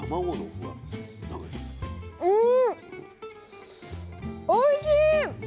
うんおいしい！